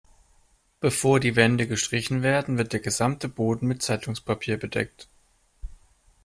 Bevor die Wände gestrichen werden, wird der gesamte Boden mit Zeitungspapier bedeckt.